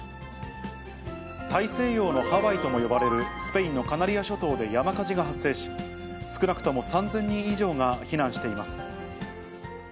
大西洋のハワイとも呼ばれるスペインのカナリア諸島で山火事が発生し、少なくとも３０００人以上が避難しています。